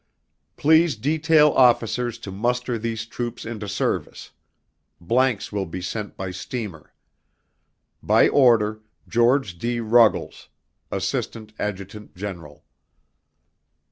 Please detail officers to muster these troops into service. Blanks will be sent by steamer. By order: George D. Ruggles. Assistant Adjutant General.